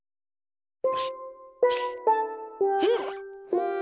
うん！